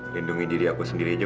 lindungi diri aku sendiri aja